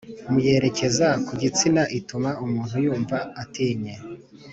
Mu yerekeza ku gitsina ituma umuntu yumva atinye